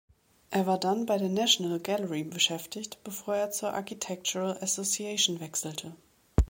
Er war dann bei der National Gallery beschäftigt, bevor er zur "Architectural Association" wechselte.